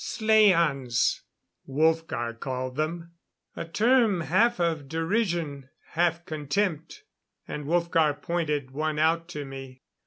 "Slaans," Wolfgar called them. A term half of derision, half contempt. And Wolfgar pointed one out to me.